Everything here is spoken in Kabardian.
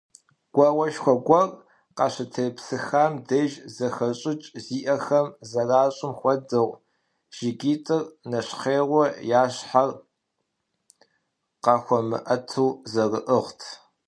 Гуауэшхуэ гуэр къащытепсыхам деж зэхэщӀыкӀ зиӀэхэм зэращӀым хуэдэу, жыгитӀыр нэщхъейуэ, я щхьэр къахуэмыӀэту зэрыӀыгът.